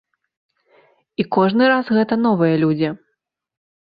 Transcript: І кожны раз гэта новыя людзі!